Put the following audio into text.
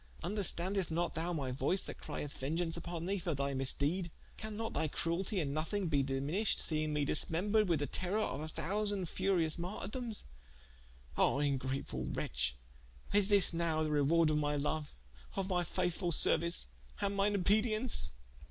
Vnderstandest not thou my voyce that crieth vengeaunce vpon thee for thy misdede? Can not thy crueltie in nothing be diminished seing me dismembred with the terrour of a thousand furious martirdomes? Ah ingrate wretche, is this nowe the rewarde of my loue, of my faithfull seruice, and mine obedience?"